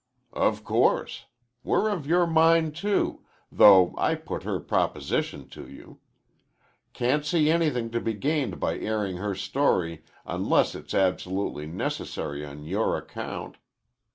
"Of course. We're of your mind, too, though I put her proposition to you. Can't see anything to be gained by airing her story unless it's absolutely necessary on your account.